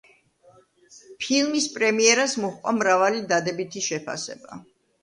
ფილმის პრემიერას მოჰყვა მრავალი დადებითი შეფასება.